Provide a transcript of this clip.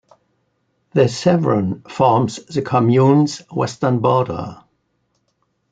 The Sevron forms the commune's western border.